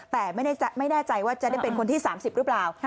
แต่ไม่แน่ใจว่าจะได้เป็นคนที่๓๐หรือเปล่า